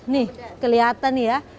nih kelihatan nih ya